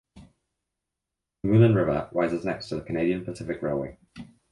The Moulin river rises next to the Canadian Pacific railway.